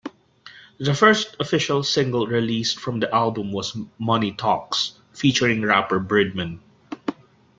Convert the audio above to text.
The first official single released from the album was "Money Talks" featuring rapper Birdman.